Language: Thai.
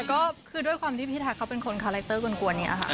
แต่ก็คือด้วยความที่พี่ทาก็เป็นคนคาราคเตอร์กลมกลัวนี้อะค่ะ